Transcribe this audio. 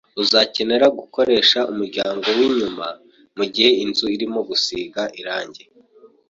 Uzakenera gukoresha umuryango winyuma mugihe inzu irimo gusiga irangi.